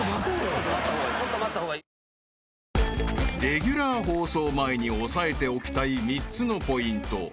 ［レギュラー放送前に押さえておきたい３つのポイント］